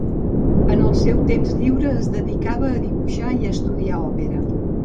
En el seu temps lliure es dedicava a dibuixar i a estudiar òpera.